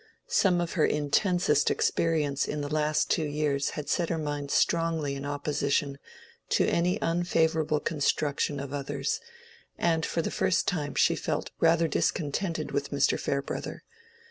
Some of her intensest experience in the last two years had set her mind strongly in opposition to any unfavorable construction of others; and for the first time she felt rather discontented with Mr. Farebrother.